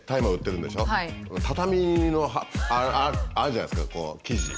畳のあるじゃないですか生地。